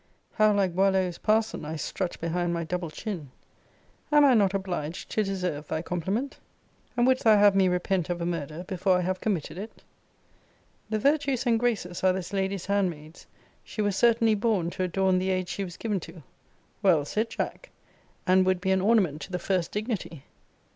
How like Boileau's parson I strut behind my double chin! Am I not obliged to deserve thy compliment? And wouldst thou have me repent of a murder before I have committed it? 'The Virtues and Graces are this Lady's handmaids. She was certainly born to adorn the age she was given to.' Well said, Jack 'And would be an ornament to the first dignity.'